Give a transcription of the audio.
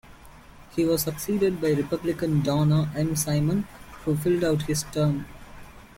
He was succeeded by Republican Donna M. Simon, who filled out his term.